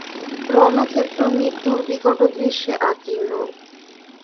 রণক্ষেত্র মৃত্যুর বিকট দৃশ্যে আকীর্ণ।